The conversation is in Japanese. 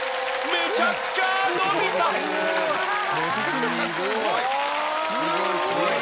めちゃくちゃ伸びたあー！